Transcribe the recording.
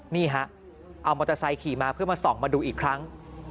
นี่ฮะเอามอเตอร์ไซค์ขี่มาเพื่อมาส่องมาดูอีกครั้ง